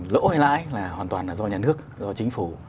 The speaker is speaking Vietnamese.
lỗ hay lãi là hoàn toàn là do nhà nước do chính phủ